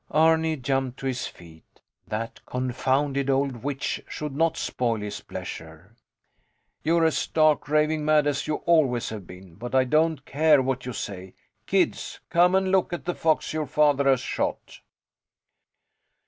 Arni jumped to his feet. That confounded old witch should not spoil his pleasure. You're as stark, raving mad as you always have been. But I don't care what you say. Kids, come and look at the fox your father has shot.